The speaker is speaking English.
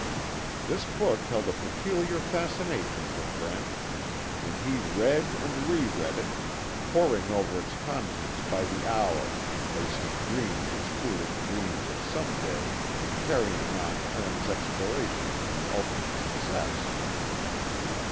This book held a peculiar fascination for Brent, and he read and reread it, poring over its contents by the hour as he dreamed his foolish dreams of some day carrying on Hearne's explorations to ultimate success.